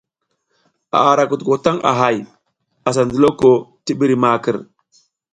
A ra kutuko taƞ a hay, asa ndiloko ti ɓiri makər.